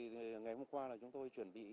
ngày hôm qua chúng tôi chuẩn bị